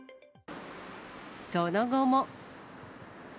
その後も。